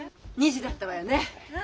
２時だったわよね。